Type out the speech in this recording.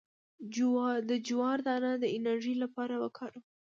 د جوار دانه د انرژي لپاره وکاروئ